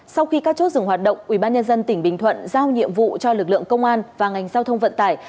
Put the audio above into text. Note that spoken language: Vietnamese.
sau khi các chốt dừng hoạt động ubnd tỉnh bình thuận giao nhiệm vụ cho lực lượng công an và ngành giao thông vận tải